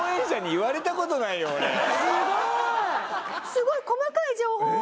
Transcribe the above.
すごい細かい情報を。